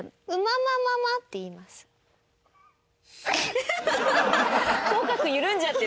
ハハハハ！